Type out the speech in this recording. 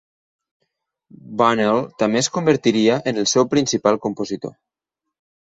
Bunnell també es convertiria en el seu principal compositor.